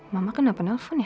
mama kenapa nelfon ya